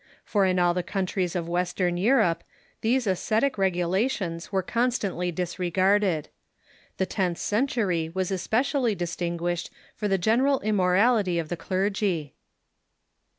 For in all the countries of Western Europe these ascetic regula tions were constantly disregarded. The tenth century was especially distinguished for the general immorality of the clergy.